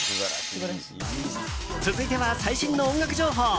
続いては最新の音楽情報。